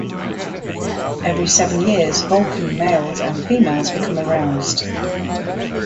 Every seven years, Vulcan males and females become aroused.